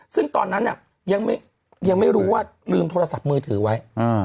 ซึ่งตอนนั้นยังไม่รู้ว่าลืมโทรศัพท์มือถือไว้